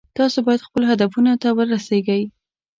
تاسو باید خپلو هدفونو ته ورسیږئ